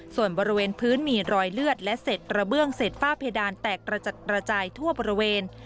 ส่วนบริเวณพื้นมีรอยเลือดและเศษกระเบื้องเศษฝ้าเพดานแตกกระจัดกระจายทั่วบริเวณ